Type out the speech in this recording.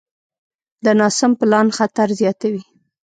د ناسم پلان خطر زیاتوي.